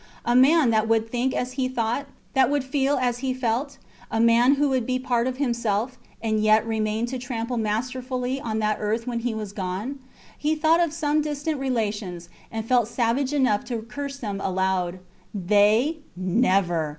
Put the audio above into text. A man that would think as he thought, that would feel as he felt; a man who would be part of himself, and yet remain to trample masterfully on that earth when he was gone? He thought of some distant relations, and felt savage enough to curse them aloud. They! Never!